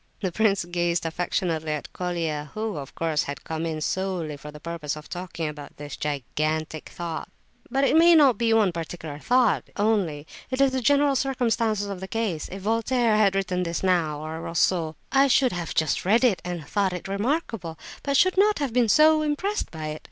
The prince gazed affectionately at Colia, who, of course, had come in solely for the purpose of talking about this "gigantic thought." "But it is not any one particular thought, only; it is the general circumstances of the case. If Voltaire had written this now, or Rousseau, I should have just read it and thought it remarkable, but should not have been so impressed by it.